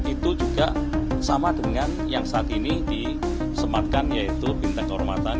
itu juga sama dengan yang saat ini disematkan yaitu bintang kehormatan